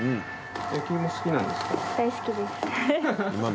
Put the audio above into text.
焼き芋好きなんですか？